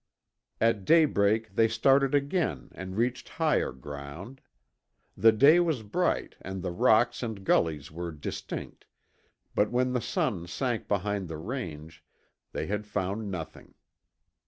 At daybreak they started again and reached higher ground. The day was bright and the rocks and gullies were distinct, but when the sun sank behind the range, they had found nothing.